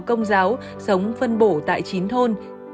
công giáo sống phân bổ tại chín thôn